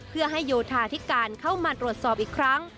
เพื่อให้โยธาธิการเข้ามาตรวจสอบอีกครั้ง